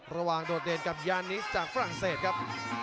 ระหว่างโดดเดนต์กับยานิสต์จากฝรั่งเศสครับ